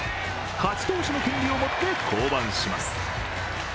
勝ち投手の権利を持って降板します。